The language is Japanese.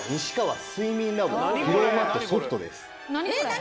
何？